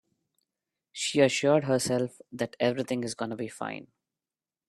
She assured herself that everything is gonna be fine.